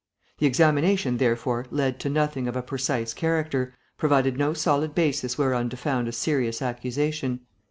The examination, therefore, led to nothing of a precise character, provided no solid basis whereon to found a serious accusation.